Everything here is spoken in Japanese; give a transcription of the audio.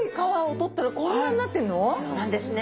そうなんですね。